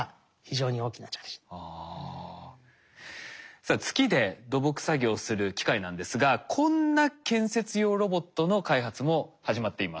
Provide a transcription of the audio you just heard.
さあ月で土木作業をする機械なんですがこんな建設用ロボットの開発も始まっています。